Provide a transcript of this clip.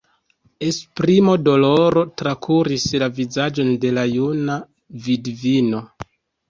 Esprimo de doloro trakuris la vizaĝon de la juna vidvino.